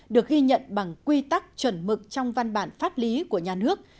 được ghi nhận bằng quy tắc chuẩn mực trong văn bản pháp lý của nhà nước